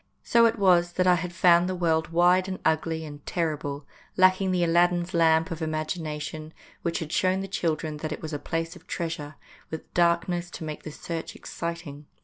So it was that I had found the world wide and ugly and terrible, lacking the Aladdin's lamp of imag ination, which had shown the children that it was a place of treasure, with darkness to make the search exciting.